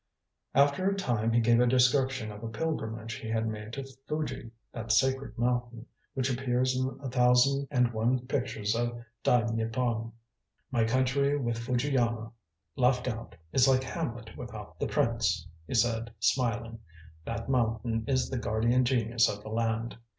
After a time he gave a description of a pilgrimage he had made to Fuji, that sacred mountain, which appears in a thousand and one pictures of Dai Nippon. "My country with Fuji Yama left out is like Hamlet without the Prince," he said, smiling. "That mountain is the guardian genius of the land."